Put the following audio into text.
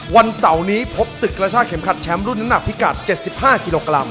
วันเสาร์นี้พบศึกกระชากเข็มขัดแชมป์รุ่นน้ำหนักพิกัด๗๕กิโลกรัม